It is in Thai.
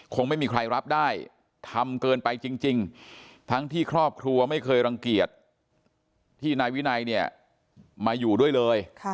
คงไม่มีใครรับได้ทำเกินไปจริงทั้งที่ครอบครัวไม่เคยรังเกียจที่นายวินัยเนี่ยมาอยู่ด้วยเลย